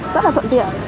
rất là thuận tiện